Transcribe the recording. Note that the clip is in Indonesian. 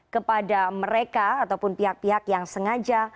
kepada mereka ataupun pihak pihak yang sengaja